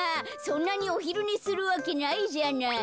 そんなにおひるねするわけないじゃない。